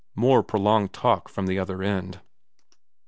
More prolonged talk from the other end.